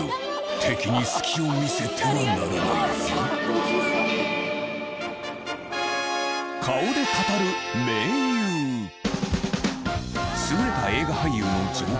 敵に隙を見せてはならないぞ優れた映画俳優の条件